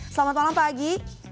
selamat malam pak agi